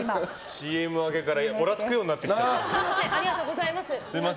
ＣＭ明けからおらつくようになっちゃった。